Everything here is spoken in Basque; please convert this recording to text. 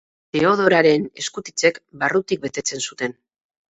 Teodoraren eskutitzek barrutik betetzen zuten.